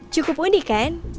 cukup unik kan